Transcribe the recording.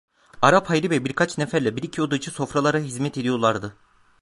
Arap Hayri ve birkaç neferle bir iki odacı sofralara hizmet ediyorlardı.